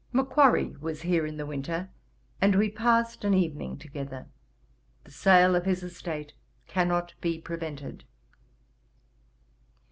'Macquarry was here in the winter, and we passed an evening together. The sale of his estate cannot be prevented.